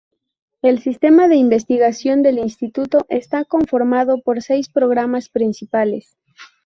El sistema de investigación del instituto está conformado por seis programas principales.